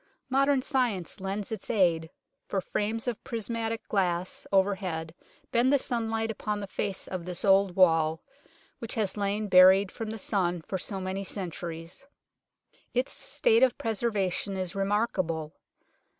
Modern science lends its aid, for frames of prismatic glass overhead bend the sunlight upon the face of this old wall, which had lain buried from the sun for so many centuries. Its state of preservation is remarkable.